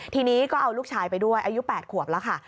ทีนี้ก็เอาลูกชายไปด้วยอายุ๘ขวบแล้วค่ะ